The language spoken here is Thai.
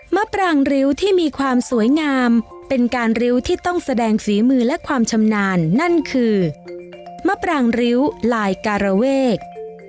มะปรางริ้วที่มีความสวยงามเป็นการริ้วที่ต้องแสดงฝีมือและความชำนาญนั่นคือมะปรางริ้วลายการเวก